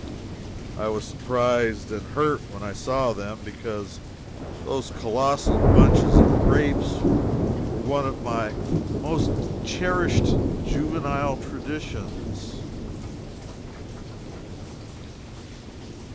I was surprised and hurt when I saw them, because those colossal bunches of grapes were one of my most cherished juvenile traditions.